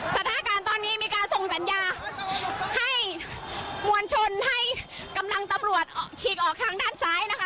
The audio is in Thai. สถานการณ์ตอนนี้มีการส่งสัญญาให้มวลชนให้กำลังตำรวจออกฉีกออกทางด้านซ้ายนะคะ